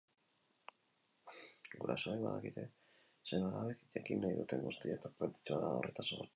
Gurasoek badakite seme-alabek jakin nahi duten guztia eta garrantzitsua da horretaz ohartzea.